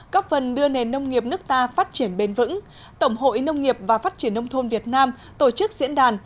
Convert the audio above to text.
góp phần đưa nền nông nghiệp nước ta phát triển bền vững tổng hội nông nghiệp và phát triển nông thôn việt nam tổ chức diễn đàn